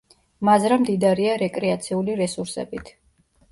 მაზრა მდიდარია რეკრეაციული რესურსებით.